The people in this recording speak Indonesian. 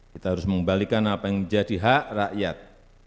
kita harus mengembalikan apa yang menjadi hak rakyat